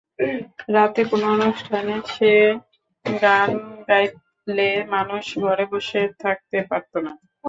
রাতে কোন অনুষ্ঠানে সে গান গাইলে মানুষ ঘরে বসে থাকতে পারত না।